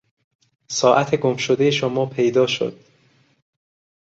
ساعت گمشدهی شما پیدا شد.